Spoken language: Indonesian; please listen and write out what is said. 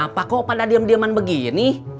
kenapa kok pada diem dieman begini